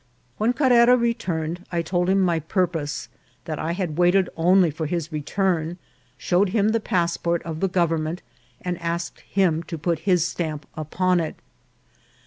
When Carrera returned I told him my purpose ; that I had waited only for his return ; showed him the passport of the government, and asked him to put his stamp upon it.